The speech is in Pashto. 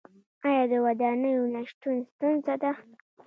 آیا د ودانیو نشتون ستونزه ده؟